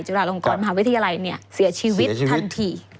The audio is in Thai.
จุฬาลงกรมหาวิทยาลัยเนี่ยเสียชีวิตทันที